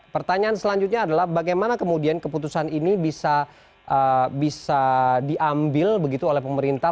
pertanyaan selanjutnya adalah bagaimana kemudian keputusan ini bisa diambil begitu oleh pemerintah